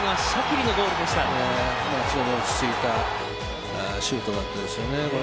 非常に落ち着いたシュートだったですよね。